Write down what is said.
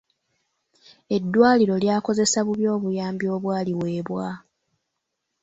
Eddwaliro lyakozesa bubi obuyambi obwaliweebwa.